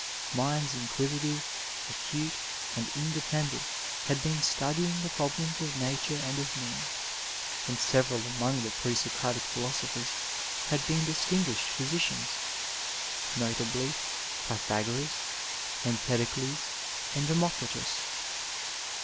Minds inquisitive, acute, and independent had been studying the problems of nature and of man ; and several among the pre Socratic philosophers had been distinguished physi cians, notably, Pythagoras, Empedocles, and Democritus.